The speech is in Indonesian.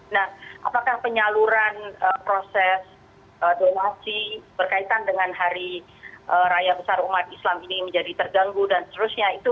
nah apakah penyaluran proses donasi berkaitan dengan hari raya besar umat islam ini menjadi terganggu dan seterusnya